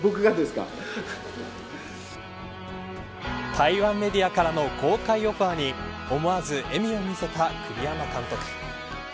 台湾メディアからの公開オファーに思わず笑みを見せた栗山監督。